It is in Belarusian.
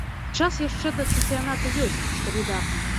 І час яшчэ да чэмпіянату ёсць, што выдатна.